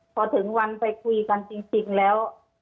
พอถึงวันไปคุยกันจริงแล้ว